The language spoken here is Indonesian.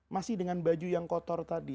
masih dengan baju yang kotor tadi